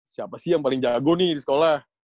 siapa sih yang paling jago nih di sekolah